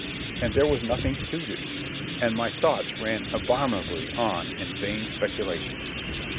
And there was nothing to do, and my thoughts ran abominably on in vain speculations.